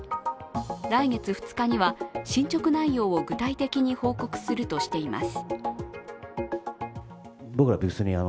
来月２日には進捗内容を具体的に報告するとしています。